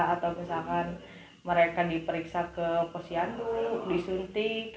atau misalkan mereka diperiksa ke posyandu disuntik